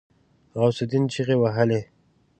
غوث الدين چيغې وهلې.